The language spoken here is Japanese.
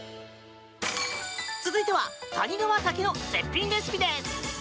続いては谷川茸の絶品レシピです。